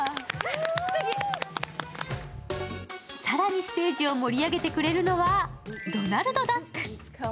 更にステージを盛り上げてくれるのは、ドナルドダック。